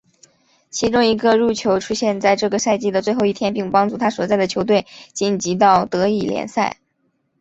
其中一个入球出现在这个赛季的最后一天并帮助他所在的球队晋级到德乙联赛。